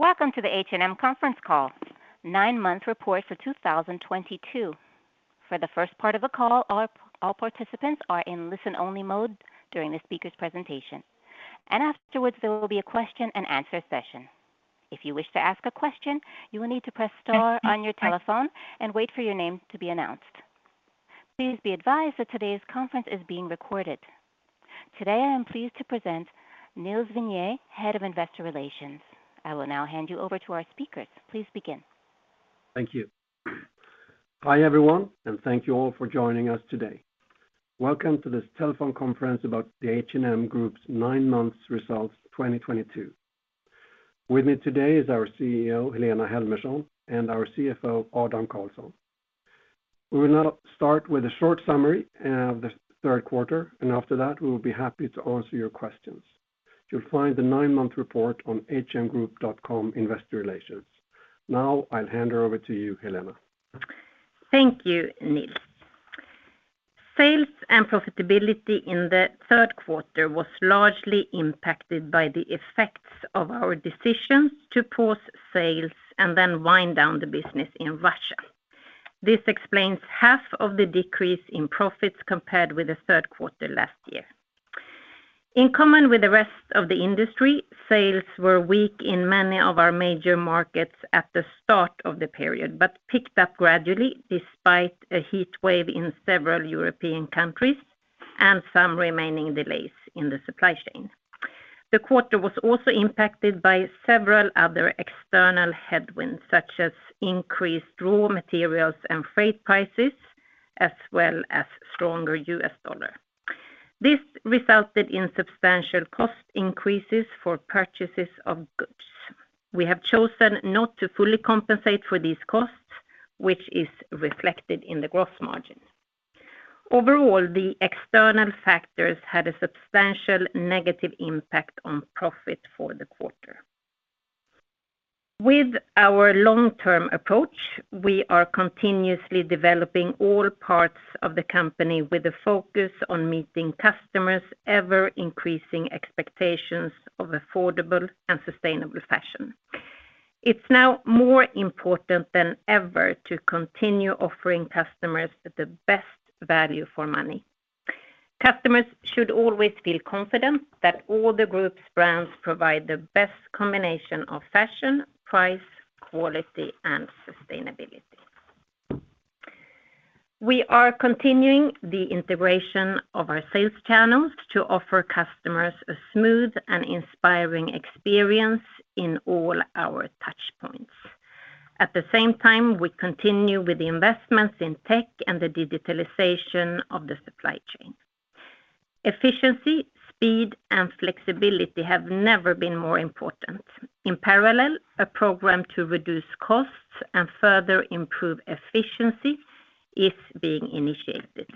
Welcome to the H&M conference call, nine-month report for 2022. For the first part of the call, all participants are in listen-only mode during the speaker's presentation, and afterwards, there will be a question-and-answer session. If you wish to ask a question, you will need to press star on your telephone and wait for your name to be announced. Please be advised that today's conference is being recorded. Today, I am pleased to present Nils Vinge, Head of Investor Relations. I will now hand you over to our speakers. Please begin. Thank you. Hi, everyone, and thank you all for joining us today. Welcome to this telephone conference about the H&M Group's 9 months results 2022. With me today is our CEO, Helena Helmersson, and our CFO, Adam Karlsson. We will now start with a short summary of the third quarter, and after that, we will be happy to answer your questions. You'll find the 9-month report on hmgroup.com Investor Relations. Now, I'll hand over to you, Helena. Thank you, Nils. Sales and profitability in the third quarter was largely impacted by the effects of our decision to pause sales and then wind down the business in Russia. This explains half of the decrease in profits compared with the third quarter last year. In common with the rest of the industry, sales were weak in many of our major markets at the start of the period but picked up gradually despite a heat wave in several European countries and some remaining delays in the supply chain. The quarter was also impacted by several other external headwinds, such as increased raw materials and freight prices, as well as stronger US dollar. This resulted in substantial cost increases for purchases of goods. We have chosen not to fully compensate for these costs, which is reflected in the gross margin. Overall, the external factors had a substantial negative impact on profit for the quarter. With our long-term approach, we are continuously developing all parts of the company with a focus on meeting customers' ever-increasing expectations of affordable and sustainable fashion. It's now more important than ever to continue offering customers the best value for money. Customers should always feel confident that all the group's brands provide the best combination of fashion, price, quality, and sustainability. We are continuing the integration of our sales channels to offer customers a smooth and inspiring experience in all our touch points. At the same time, we continue with the investments in tech and the digitalization of the supply chain. Efficiency, speed, and flexibility have never been more important. In parallel, a program to reduce costs and further improve efficiency is being initiated.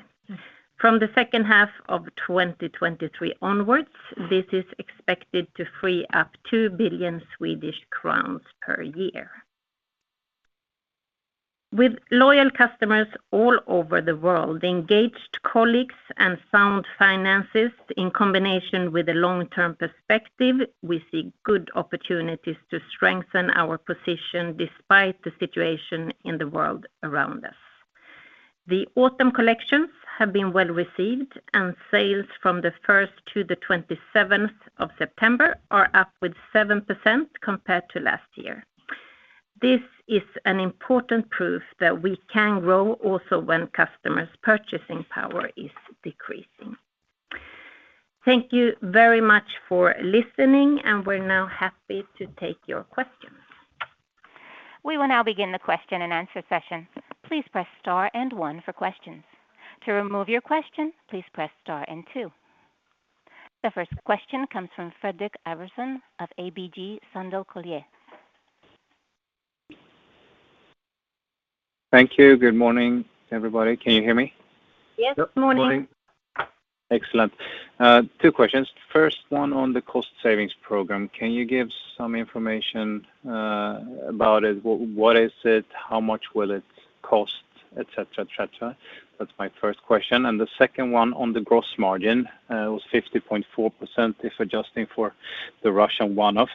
From the second half of 2023 onwards, this is expected to free up 2 billion Swedish crowns per year. With loyal customers all over the world, engaged colleagues, and sound finances in combination with a long-term perspective, we see good opportunities to strengthen our position despite the situation in the world around us. The autumn collections have been well-received, and sales from the first to the 27th of September are up 7% compared to last year. This is an important proof that we can grow also when customers' purchasing power is decreasing. Thank you very much for listening, and we're now happy to take your questions. We will now begin the question-and-answer session. Please press star and one for questions. To remove your question, please press star and two. The first question comes from Fredrik Ivarsson of ABG Sundal Collier. Thank you. Good morning, everybody. Can you hear me? Yes. Good morning. Good morning. Excellent. Two questions. First one on the cost savings program. Can you give some information about it? What is it? How much will it cost, et cetera? That's my first question. The second one on the gross margin was 50.4% if adjusting for the Russian one-off.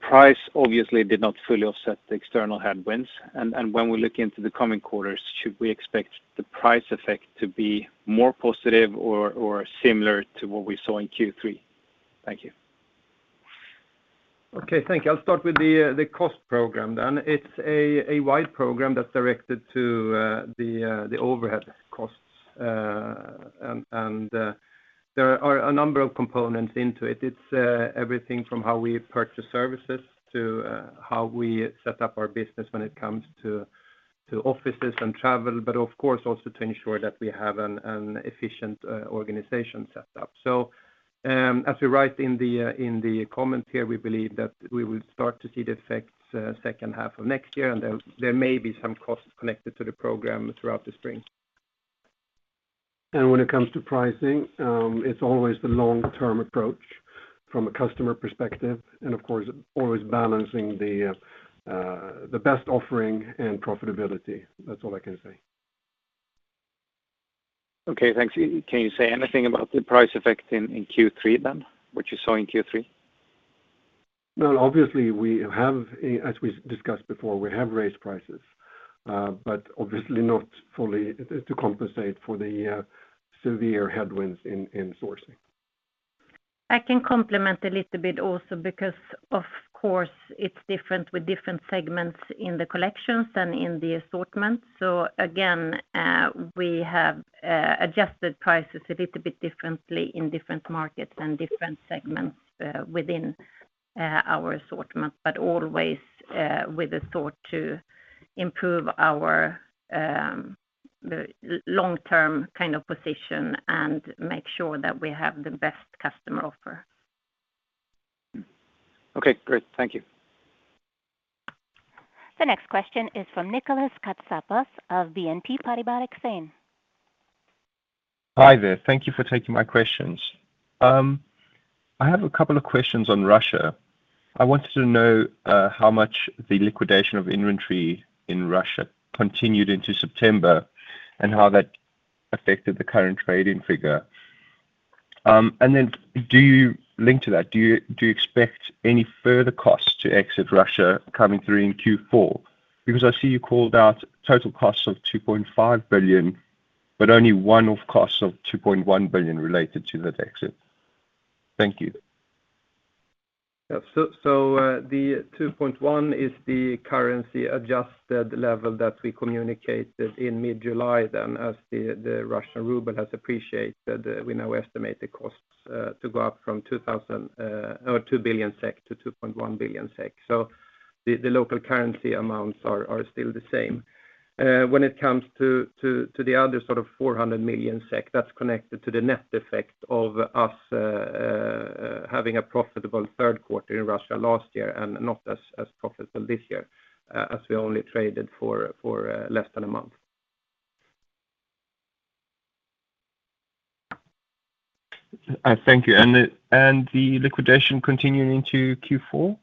Price obviously did not fully offset the external headwinds. When we look into the coming quarters, should we expect the price effect to be more positive or similar to what we saw in Q3? Thank you. Okay, thank you. I'll start with the cost program then. It's a wide program that's directed to the overhead costs. There are a number of components into it. It's everything from how we purchase services to how we set up our business when it comes to offices and travel, but of course also to ensure that we have an efficient organization set up. As we write in the comment here, we believe that we will start to see the effects second half of next year, and there may be some costs connected to the program throughout the spring. When it comes to pricing, it's always the long-term approach from a customer perspective and of course, always balancing the best offering and profitability. That's all I can say. Okay, thanks. Can you say anything about the price effect in Q3 then? What you saw in Q3? No. Obviously, we have, as we discussed before, we have raised prices, but obviously not fully to compensate for the severe headwinds in sourcing. I can comment a little bit also because of course it's different with different segments in the collections than in the assortment. Again, we have adjusted prices a little bit differently in different markets and different segments within our assortment, but always with a thought to improve our long-term kind of position and make sure that we have the best customer offer. Okay, great. Thank you. The next question is from Nikolaos Katsapos of BNP Paribas Exane. Hi there. Thank you for taking my questions. I have a couple of questions on Russia. I wanted to know how much the liquidation of inventory in Russia continued into September and how that affected the current trading figure. And then, linked to that, do you expect any further costs to exit Russia coming through in Q4? Because I see you called out total costs of 2.5 billion, but only costs of 2.1 billion related to that exit. Thank you. The 2.1 is the currency-adjusted level that we communicated in mid-July as the Russian ruble has appreciated. We now estimate the costs to go up from 2 billion SEK to 2.1 billion SEK. The local currency amounts are still the same. When it comes to the other sort of 400 million SEK that's connected to the net effect of us having a profitable third quarter in Russia last year and not as profitable this year as we only traded for less than a month. Thank you. The liquidation continuing to Q4?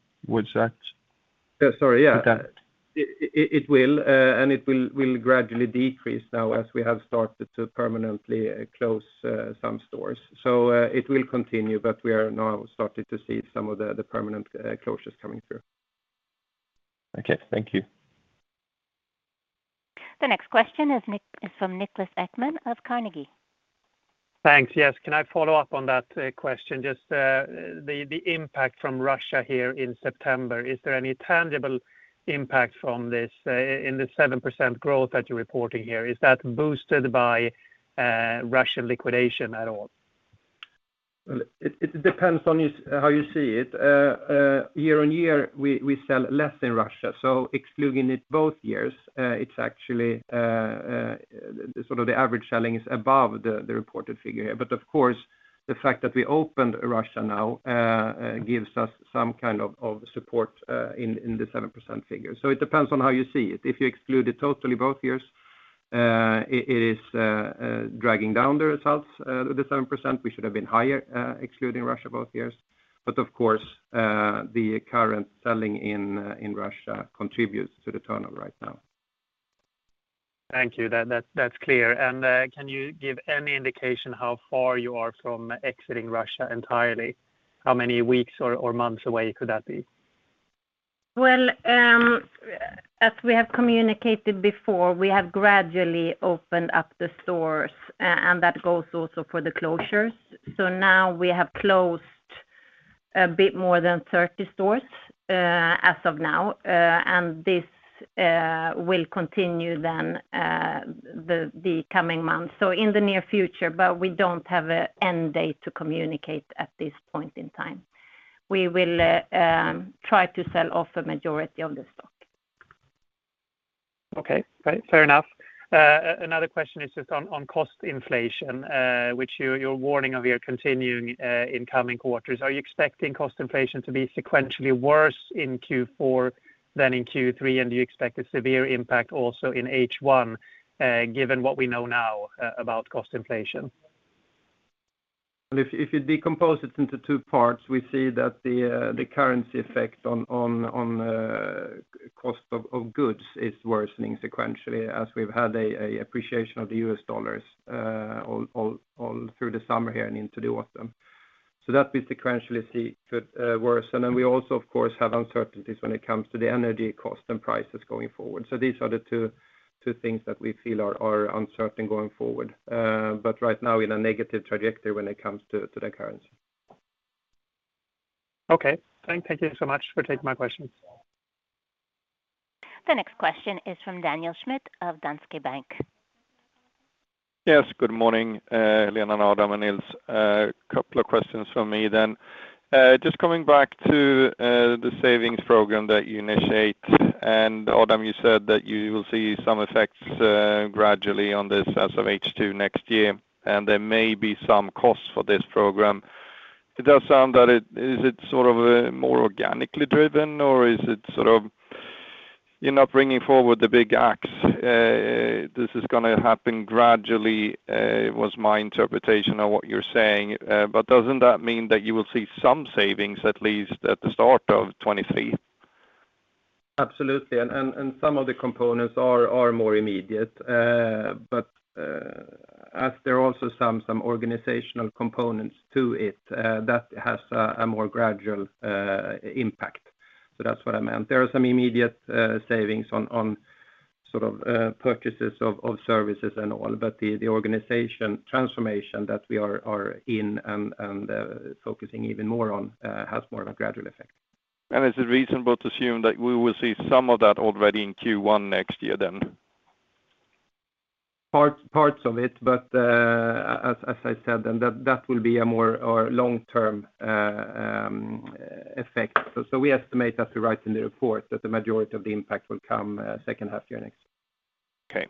Yeah, sorry. Yeah. Okay. It will gradually decrease now as we have started to permanently close some stores. It will continue, but we are now starting to see some of the permanent closures coming through. Okay, thank you. The next question is from Niklas Ekman of Carnegie. Thanks. Yes. Can I follow up on that question? Just the impact from Russia here in September, is there any tangible impact from this in the 7% growth that you're reporting here? Is that boosted by Russian liquidation at all? Well, it depends on you, how you see it. Year-on-year, we sell less in Russia, so excluding it both years, it's actually sort of the average selling is above the reported figure here. Of course, the fact that we opened in Russia now gives us some kind of support in the 7% figure. It depends on how you see it. If you exclude it totally both years, it is dragging down the results. The 7% we should have been higher, excluding Russia both years. Of course, the current selling in Russia contributes to the turnover right now. Thank you. That's clear. Can you give any indication how far you are from exiting Russia entirely? How many weeks or months away could that be? Well, as we have communicated before, we have gradually opened up the stores and that goes also for the closures. Now we have closed a bit more than 30 stores, as of now, and this will continue then, the coming months, so in the near future. We don't have an end date to communicate at this point in time. We will try to sell off a majority of the stock. Okay. Fair enough. Another question is just on cost inflation, which you're warning of continuing in coming quarters. Are you expecting cost inflation to be sequentially worse in Q4 than in Q3? And do you expect a severe impact also in H1, given what we know now about cost inflation? If you decompose it into two parts, we see that the currency effect on cost of goods is worsening sequentially as we've had an appreciation of the US dollar all through the summer here and into the autumn. That we sequentially see could worsen. We also of course have uncertainties when it comes to the energy cost and prices going forward. These are the two things that we feel are uncertain going forward. Right now in a negative trajectory when it comes to the currency. Okay. Thank you so much for taking my questions. The next question is from Daniel Schmidt of Danske Bank. Yes, good morning, Lena and Adam and Nils. Couple of questions from me then. Just coming back to the savings program that you initiate, and Adam, you said that you will see some effects gradually on this as of H2 next year, and there may be some costs for this program. Is it sort of more organically driven or is it sort of you're not bringing forward the big axe? This is gonna happen gradually, was my interpretation of what you're saying. Doesn't that mean that you will see some savings, at least at the start of 2023? Absolutely. Some of the components are more immediate, but as there are also some organizational components to it, that has a more gradual impact. That's what I meant. There are some immediate savings on sort of purchases of services and all, but the organization transformation that we are in and focusing even more on has more of a gradual effect. Is it reasonable to assume that we will see some of that already in Q1 next year then? Parts of it, but as I said, that will be a more long-term effect. We estimate that we write in the report that the majority of the impact will come second half year next. Okay.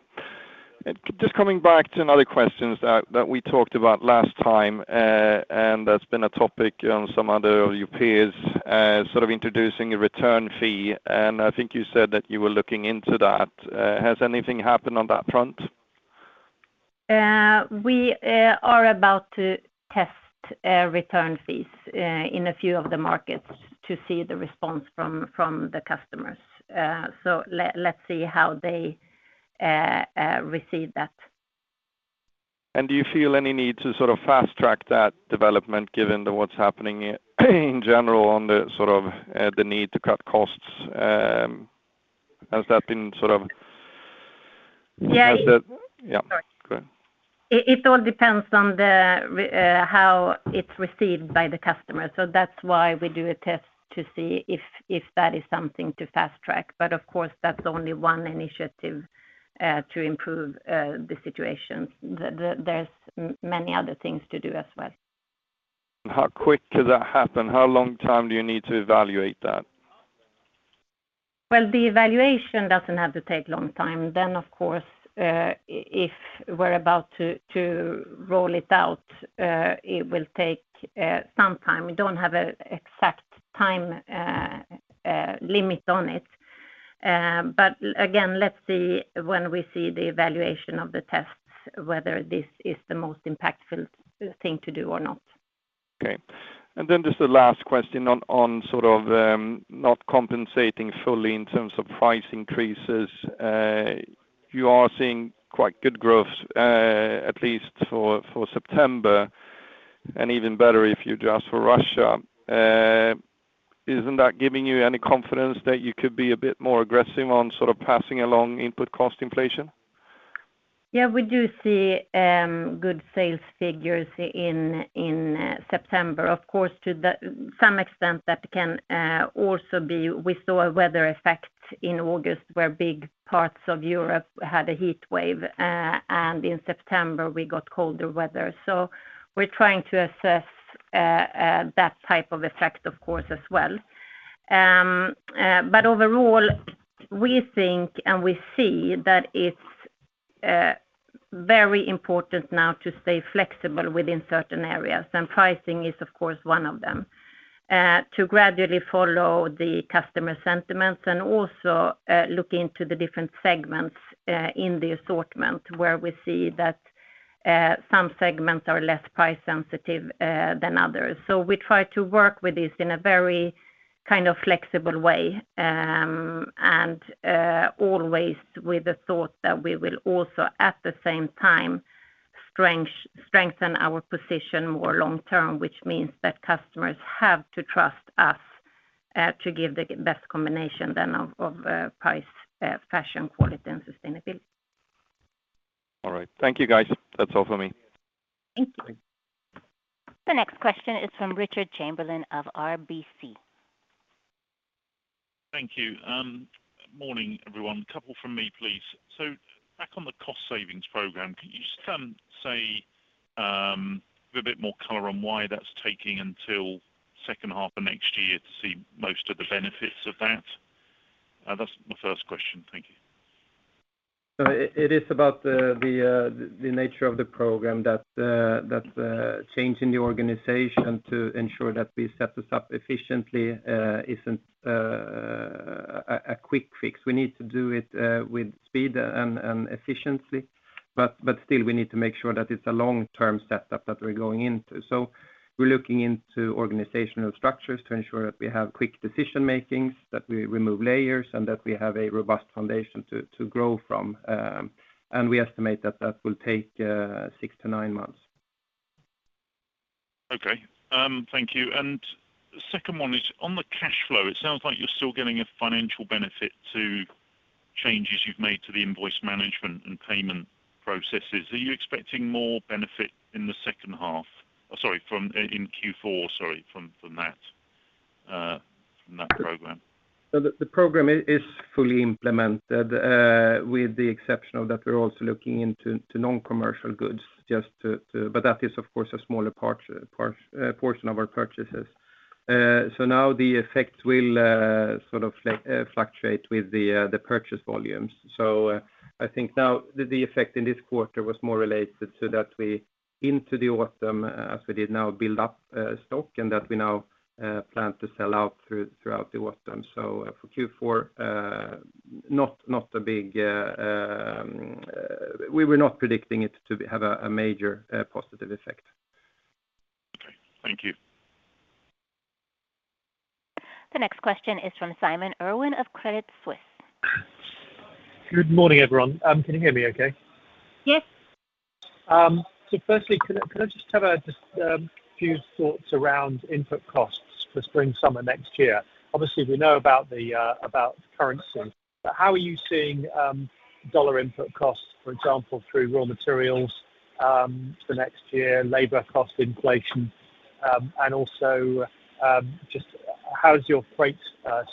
Just coming back to another question that we talked about last time, and that's been a topic on some other of your peers, sort of introducing a return fee, and I think you said that you were looking into that. Has anything happened on that front? We are about to test return fees in a few of the markets to see the response from the customers. Let's see how they receive that. Do you feel any need to sort of fast track that development given to what's happening in general on the sort of, the need to cut costs? Has that been sort of... Yeah. Yeah. Go ahead. It all depends on how it's received by the customer. That's why we do a test to see if that is something to fast track. Of course, that's only one initiative to improve the situation. There's many other things to do as well. How quick could that happen? How long time do you need to evaluate that? Well, the evaluation doesn't have to take long time. Of course, if we're about to roll it out, it will take some time. We don't have an exact time limit on it. Again, let's see when we see the evaluation of the tests, whether this is the most impactful thing to do or not. Okay. Just the last question on sort of not compensating fully in terms of price increases. You are seeing quite good growth, at least for September, and even better if you adjust for Russia. Isn't that giving you any confidence that you could be a bit more aggressive on sort of passing along input cost inflation? Yeah, we do see good sales figures in September. Of course, to some extent that can also be. We saw a weather effect in August where big parts of Europe had a heat wave, and in September, we got colder weather. We're trying to assess that type of effect, of course, as well. Overall, we think and we see that it's very important now to stay flexible within certain areas, and pricing is of course one of them. To gradually follow the customer sentiments and also look into the different segments in the assortment where we see that some segments are less price sensitive than others. We try to work with this in a very kind of flexible way, and always with the thought that we will also, at the same time, strengthen our position more long term, which means that customers have to trust us to give the best combination then of price, fashion, quality, and sustainability. All right. Thank you, guys. That's all for me. Thank you. Thank you. The next question is from Richard Chamberlain of RBC. Thank you. Morning, everyone. Couple from me, please. Back on the cost savings program, can you just give a bit more color on why that's taking until second half of next year to see most of the benefits of that? That's my first question. Thank you. It is about the nature of the program that changing the organization to ensure that we set this up efficiently isn't a quick fix. We need to do it with speed and efficiency, but still, we need to make sure that it's a long-term setup that we're going into. We're looking into organizational structures to ensure that we have quick decision making, that we remove layers, and that we have a robust foundation to grow from. We estimate that will take 6-9 months. Thank you. Second one is on the cash flow. It sounds like you're still getting a financial benefit from changes you've made to the invoice management and payment processes. Are you expecting more benefit from that program in Q4? The program is fully implemented, with the exception that we're also looking into non-commercial goods just to. That is, of course, a smaller purchase portion of our purchases. Now the effect will sort of fluctuate with the purchase volumes. I think now the effect in this quarter was more related to that we went into the autumn, as we now build up stock and that we now plan to sell out throughout the autumn. For Q4, not a big. We were not predicting it to have a major positive effect. Thank you. The next question is from Simon Irwin of Credit Suisse. Good morning, everyone. Can you hear me okay? Yes. Firstly, could I just have a few thoughts around input costs for spring summer next year? Obviously, we know about the currency, but how are you seeing dollar input costs, for example, through raw materials, for next year, labor cost inflation, and also just how is your freight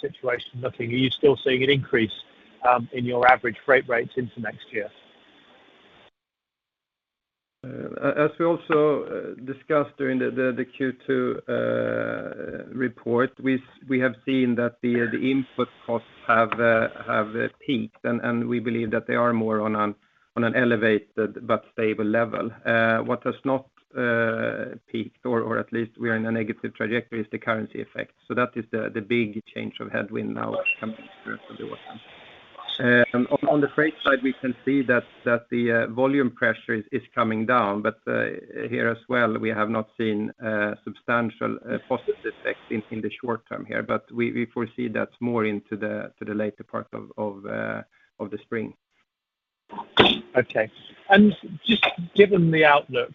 situation looking? Are you still seeing an increase in your average freight rates into next year? As we also discussed during the Q2 report, we have seen that the input costs have peaked and we believe that they are more on an elevated but stable level. What has not peaked or at least we are in a negative trajectory is the currency effect. That is the big change of headwind now coming through for the work then. On the freight side, we can see that the volume pressure is coming down. Here as well, we have not seen substantial positive effects in the short term here, but we foresee that more into the later part of the spring. Okay. Just given the outlook,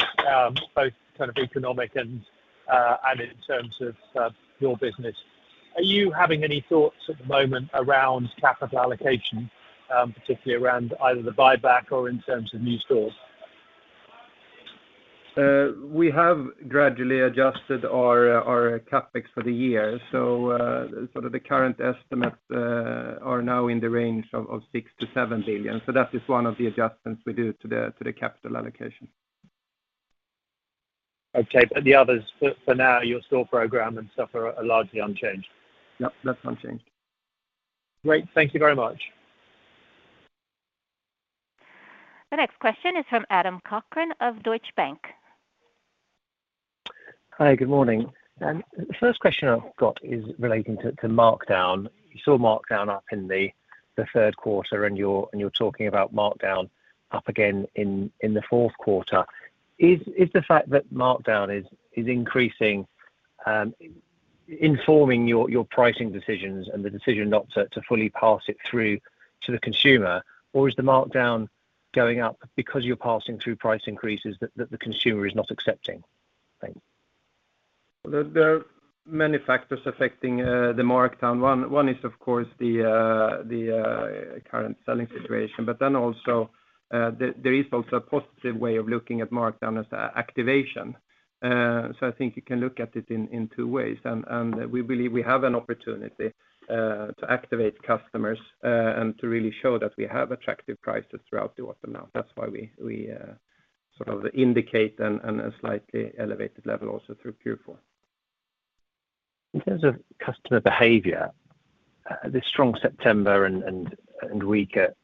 both kind of economic and in terms of your business, are you having any thoughts at the moment around capital allocation, particularly around either the buyback or in terms of new stores? We have gradually adjusted our CapEx for the year. Sort of the current estimates are now in the range of 6 billion-7 billion. That is one of the adjustments we do to the capital allocation. Okay. The others for now, your store program and stuff are largely unchanged. Yep, that's unchanged. Great. Thank you very much. The next question is from Adam Cochrane of Deutsche Bank. Hi, good morning. The first question I've got is relating to markdown. You saw markdown up in the third quarter, and you're talking about markdown up again in the fourth quarter. Is the fact that markdown is increasing informing your pricing decisions and the decision not to fully pass it through to the consumer? Or is the markdown going up because you're passing through price increases that the consumer is not accepting? Thanks. There are many factors affecting the markdown. One is of course the current selling situation. But then also there is also a positive way of looking at markdown as an activation. So I think you can look at it in two ways. We believe we have an opportunity to activate customers and to really show that we have attractive prices throughout the autumn now. That's why we sort of indicate a slightly elevated level also through Q4. In terms of customer behavior, this strong September and weaker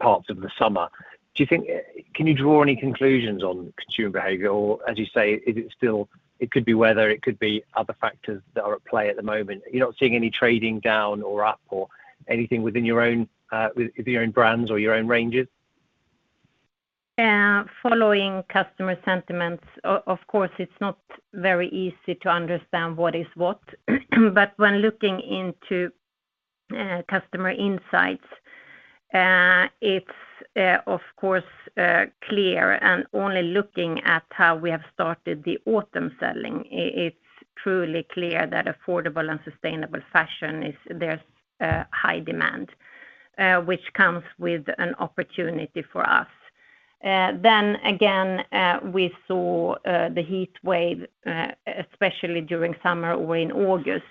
parts of the summer, do you think? Can you draw any conclusions on consumer behavior? Or as you say, is it still? It could be weather, it could be other factors that are at play at the moment. You're not seeing any trading down or up or anything within your own with your own brands or your own ranges? Following customer sentiments, of course, it's not very easy to understand what is what. When looking into customer insights, it's of course clear, and only looking at how we have started the autumn selling, it's truly clear that affordable and sustainable fashion is. There's high demand, which comes with an opportunity for us. Again, we saw the heatwave especially during summer or in August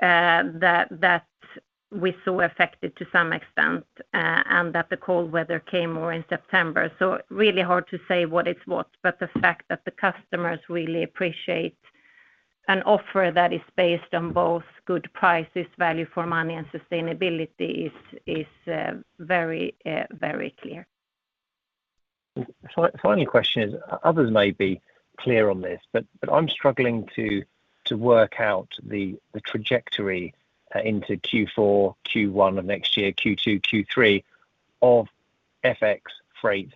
that we saw affected to some extent, and that the cold weather came more in September. Really hard to say what is what, but the fact that the customers really appreciate an offer that is based on both good prices, value for money and sustainability is very very clear. Final question is, others may be clear on this, but I'm struggling to work out the trajectory into Q4, Q1 of next year, Q2, Q3 of FX freight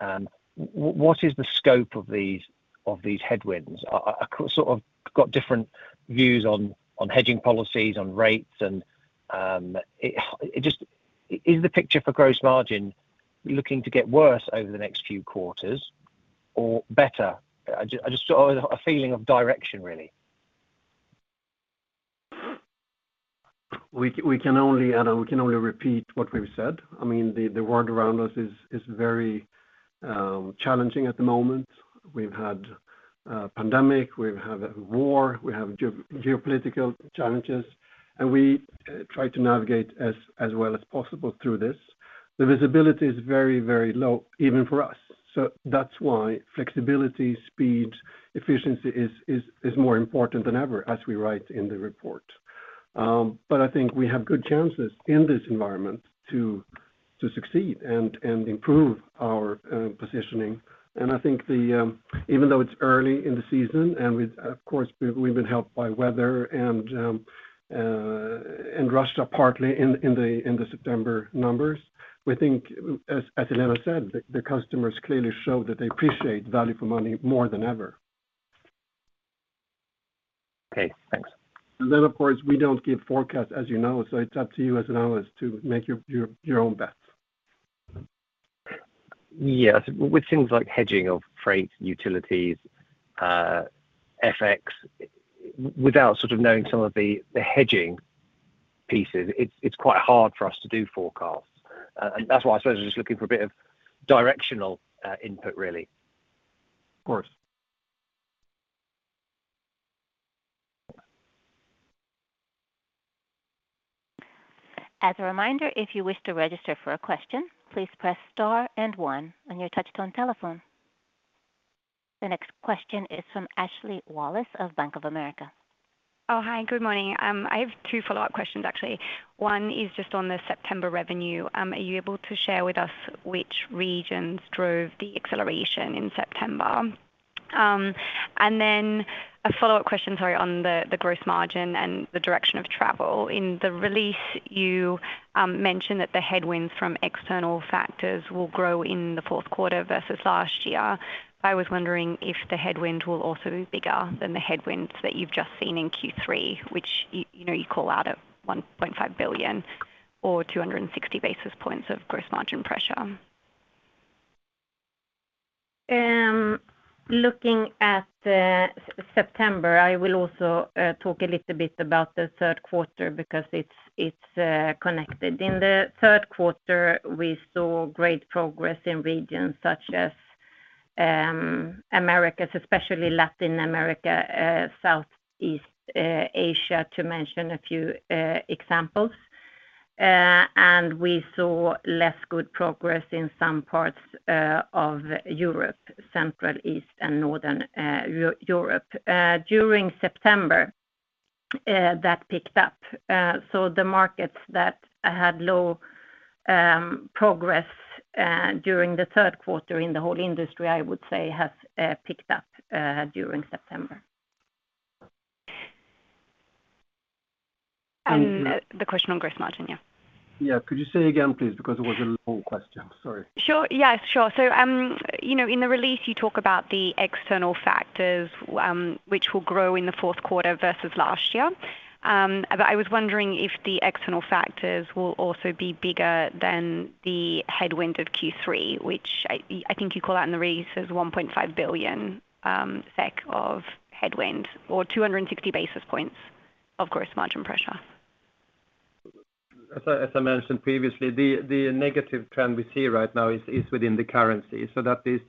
and what is the scope of these headwinds? I sort of got different views on hedging policies, on rates, and it just. Is the picture for gross margin looking to get worse over the next few quarters or better? I just sort of a feeling of direction, really. We can only repeat what we've said, Adam. I mean, the world around us is very challenging at the moment. We've had a pandemic, we've had a war, we have geopolitical challenges, and we try to navigate as well as possible through this. The visibility is very low even for us. That's why flexibility, speed, efficiency is more important than ever as we write in the report. I think we have good chances in this environment to succeed and improve our positioning. I think even though it's early in the season, and we've of course been helped by weather and rushed up partly in the September numbers. We think, as Helena said, the customers clearly show that they appreciate value for money more than ever. Okay, thanks. Of course, we don't give forecasts, as you know, so it's up to you as an analyst to make your own bets. Yes. With things like hedging of freight, utilities, FX, without sort of knowing some of the hedging pieces, it's quite hard for us to do forecasts. That's why I suppose we're just looking for a bit of directional input, really. Of course. As a reminder, if you wish to register for a question, please press star and one on your touchtone telephone. The next question is from Ashley Wallace of Bank of America. Oh, hi, good morning. I have two follow-up questions, actually. One is just on the September revenue. Are you able to share with us which regions drove the acceleration in September? And then a follow-up question, sorry, on the gross margin and the direction of travel. In the release, you mentioned that the headwinds from external factors will grow in the fourth quarter versus last year. I was wondering if the headwind will also be bigger than the headwinds that you've just seen in Q3, which you know, you call out at 1.5 billion or 260 basis points of gross margin pressure. Looking at September, I will also talk a little bit about the third quarter because it's connected. In the third quarter, we saw great progress in regions such as the Americas, especially Latin America, Southeast Asia, to mention a few examples. We saw less good progress in some parts of Europe, Central and Eastern Europe, and Northern Europe. During September, that picked up. The markets that had low progress during the third quarter in the whole industry, I would say, have picked up during September. The question on gross margin, yeah. Yeah. Could you say again, please, because it was a long question. Sorry. Sure. Yeah, sure. You know, in the release, you talk about the external factors which will grow in the fourth quarter versus last year. But I was wondering if the external factors will also be bigger than the headwind of Q3, which I think you call out in the release as 1.5 billion SEK of headwind or 260 basis points of gross margin pressure. As I mentioned previously, the negative trend we see right now is within the currency. That is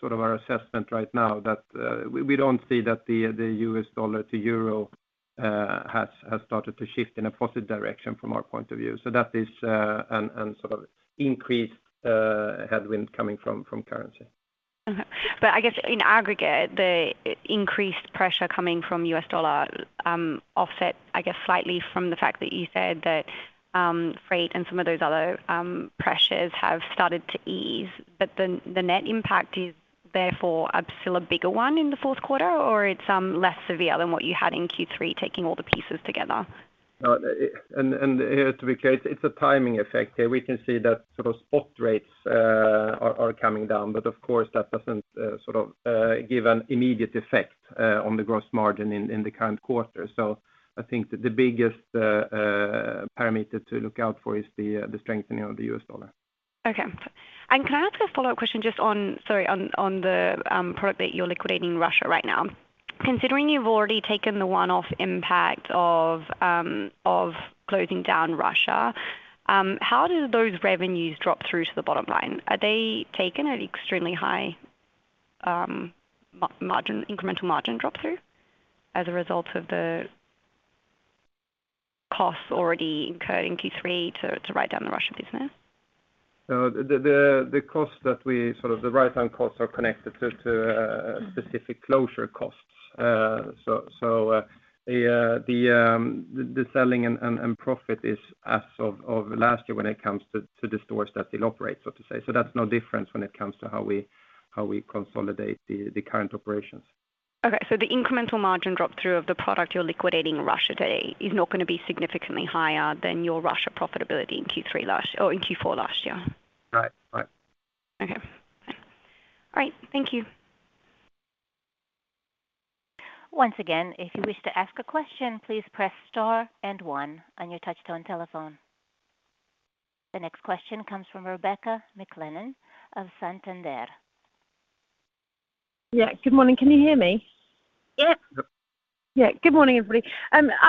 sort of our assessment right now that we don't see that the US dollar to euro has started to shift in a positive direction from our point of view. That is a sort of increased headwind coming from currency. I guess in aggregate, the increased pressure coming from the U.S. dollar, offset, I guess, slightly from the fact that you said that, freight and some of those other pressures have started to ease. The net impact is therefore still a bigger one in the fourth quarter, or it's less severe than what you had in Q3 taking all the pieces together? No. Here to be clear, it's a timing effect. We can see that sort of spot rates are coming down, but of course, that doesn't sort of give an immediate effect on the gross margin in the current quarter. I think the biggest parameter to look out for is the strengthening of the US dollar. Okay. Can I ask a follow-up question just on the product that you're liquidating in Russia right now? Considering you've already taken the one-off impact of closing down Russia, how do those revenues drop through to the bottom line? Are they taken at extremely high margin, incremental margin drop-through as a result of the costs already incurred in Q3 to write down the Russia business? The write-down costs are connected to specific closure costs. The selling and profit is as of last year when it comes to the stores that they operate, so to say. That's no different when it comes to how we consolidate the current operations. The incremental margin drop through of the product you're liquidating in Russia today is not gonna be significantly higher than your Russia profitability in Q4 last year? Right. Right. Okay. All right. Thank you. Once again, if you wish to ask a question, please press star and one on your touchtone telephone. The next question comes from Rebecca McClellan of Santander. Yeah. Good morning. Can you hear me? Yep. Yep. Yeah. Good morning, everybody.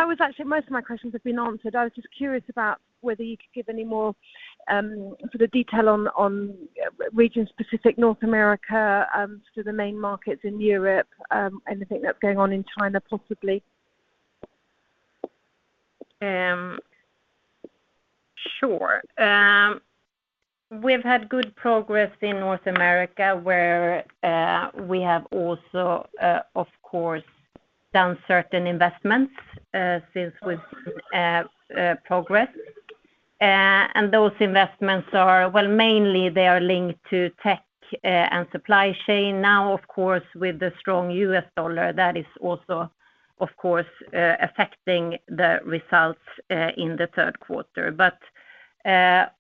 Most of my questions have been answered. I was just curious about whether you could give any more sort of detail on regions specific North America, sort of the main markets in Europe, anything that's going on in China, possibly? Sure. We've had good progress in North America, where we have also, of course, done certain investments since we've progressed. Those investments are, well, mainly they are linked to tech and supply chain. Now, of course, with the strong US dollar, that is also, of course, affecting the results in the third quarter.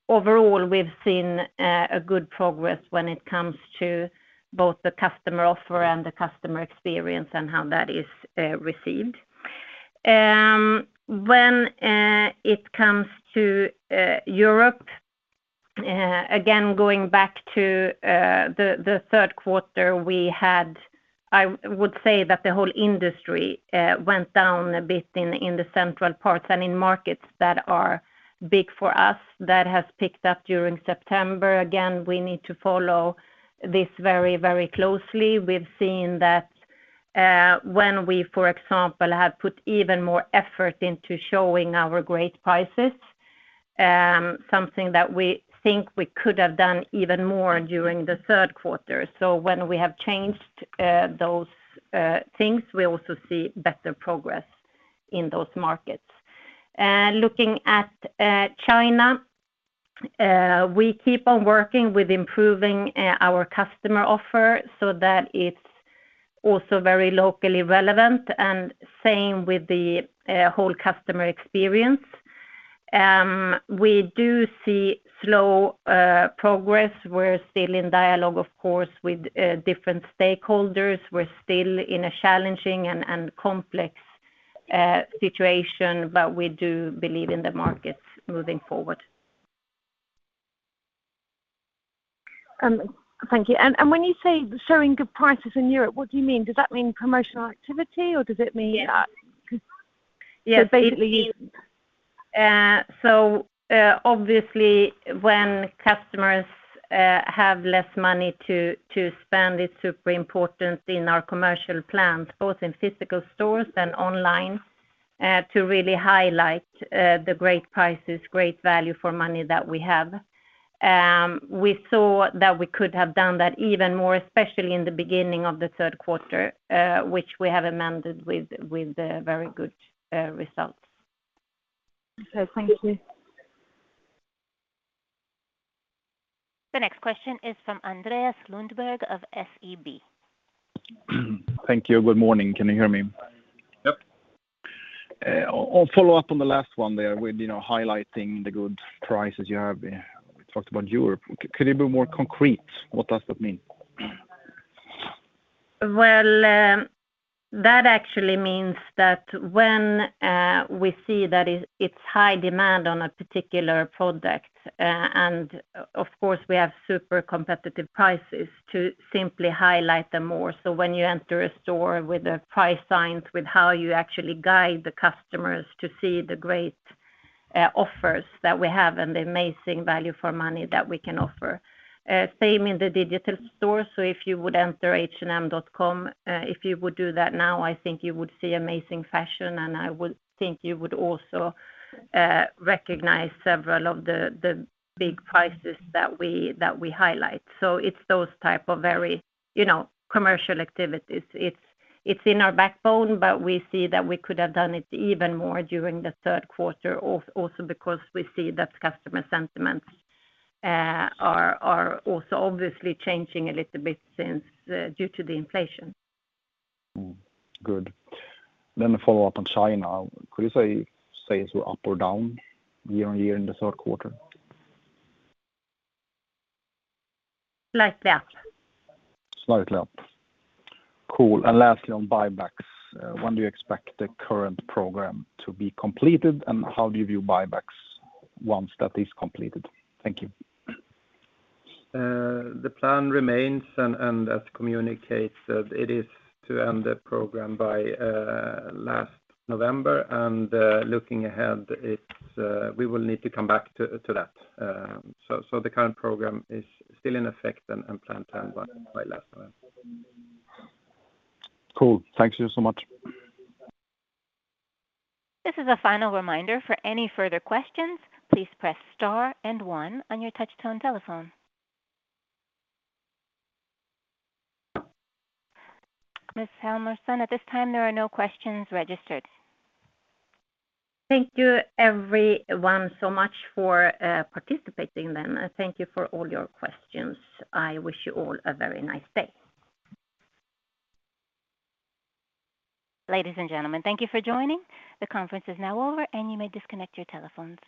Overall, we've seen a good progress when it comes to both the customer offer and the customer experience and how that is received. When it comes to Europe, again, going back to the third quarter we had, I would say that the whole industry went down a bit in the central parts and in markets that are big for us that has picked up during September. Again, we need to follow this very, very closely. We've seen that when we, for example, have put even more effort into showing our great prices, something that we think we could have done even more during the third quarter. When we have changed those things, we also see better progress in those markets. Looking at China, we keep on working with improving our customer offer so that it's also very locally relevant, and same with the whole customer experience. We do see slow progress. We're still in dialogue, of course, with different stakeholders. We're still in a challenging and complex situation, but we do believe in the markets moving forward. Thank you. When you say showing good prices in Europe, what do you mean? Does that mean commercial activity, or does it mean? Yes. So basically- Obviously, when customers have less money to spend, it's super important in our commercial plans, both in physical stores and online, to really highlight the great prices, great value for money that we have. We saw that we could have done that even more, especially in the beginning of the third quarter, which we have amended with the very good results. Okay, thank you. The next question is from Andreas Lundberg of SEB. Thank you. Good morning. Can you hear me? Yep. I'll follow up on the last one there with, you know, highlighting the good prices you have. We talked about Europe. Could you be more concrete? What does that mean? Well, that actually means that when we see that it's high demand on a particular product, and of course, we have super competitive prices to simply highlight them more. When you enter a store with the price signs, with how you actually guide the customers to see the great offers that we have and the amazing value for money that we can offer. Same in the digital store. If you would enter H&M.com, if you would do that now, I think you would see amazing fashion, and I would think you would also recognize several of the big prices that we highlight. It's those type of very, you know, commercial activities. It's in our backbone, but we see that we could have done it even more during the third quarter, also because we see that customer sentiments are also obviously changing a little bit since due to the inflation. Good. A follow-up on China. Could you say sales were up or down year-on-year in the third quarter? Slightly up. Slightly up. Cool. Lastly, on buybacks, when do you expect the current program to be completed, and how do you view buybacks once that is completed? Thank you. The plan remains and as communicated, it is to end the program by late November. Looking ahead, it's we will need to come back to that. The current program is still in effect and planned to end by late November. Cool. Thank you so much. This is a final reminder. For any further questions, please press star and one on your touch tone telephone. Ms. Helmersson, at this time, there are no questions registered. Thank you everyone so much for participating then. Thank you for all your questions. I wish you all a very nice day. Ladies and gentlemen, thank you for joining. The conference is now over, and you may disconnect your telephones.